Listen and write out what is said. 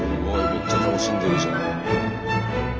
めっちゃ楽しんでるじゃん。